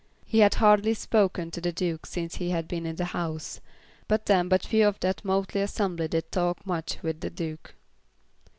He had hardly spoken to the Duke since he had been in the house, but then but few of that motley assembly did talk much with the Duke.